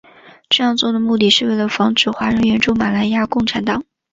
这样做的目的是为了防止华人援助马来亚共产党。